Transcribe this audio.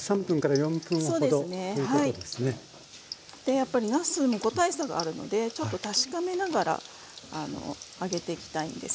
でやっぱりなすも個体差があるのでちょっと確かめながら揚げていきたいんです。